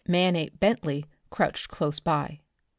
Manape Bentley crouched close by.